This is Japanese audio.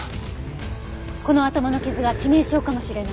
この頭の傷が致命傷かもしれない。